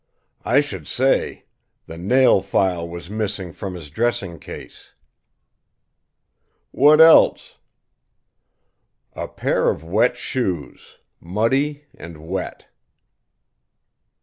"I should say! The nail file was missing from his dressing case." "What else?" "A pair of wet shoes muddy and wet."